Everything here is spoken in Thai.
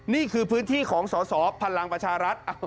นี่คือพื้นที่ของสอสอพลังประชารัฐ